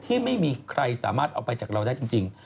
ที่ไม่มีใครสามารถเอาไปจากเราได้จริง